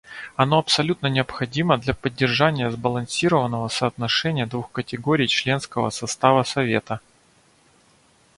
Оно абсолютно необходимо для поддержания сбалансированного соотношения двух категорий членского состава Совета.